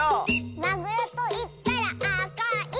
「まぐろといったらあかい！」